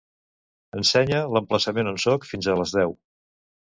Ensenya l'emplaçament on soc fins a les deu.